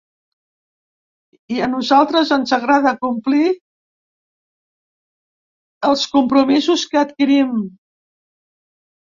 I a nosaltres ens agrada complir els compromisos que adquirim.